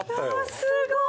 すごい。